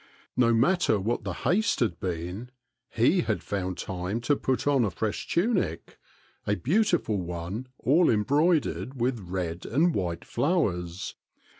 No matter what the haste had been, 6e had found time to put on a fresh tunic, a beautiful one all em broidered with red and white flowers.